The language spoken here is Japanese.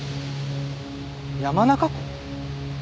山中湖？